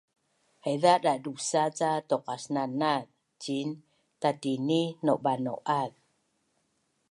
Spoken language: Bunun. Haiza dadusa’ ca tuqasnanaz ciin tatini naubanau’az